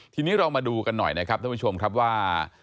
ทีนี้เรามาดูกันหน่อยนะครับท่านผู้ชมครับว่า